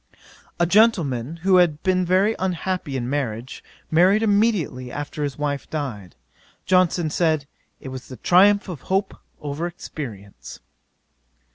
'A gentleman who had been very unhappy in marriage, married immediately after his wife died: Johnson said, it was the triumph of hope over experience.